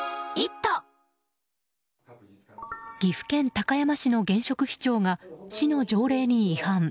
岐阜県高山市の現職市長が市の条例に違反。